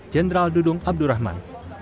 jenderal dudung abdurrahman